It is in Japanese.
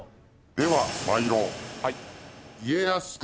では参ろう。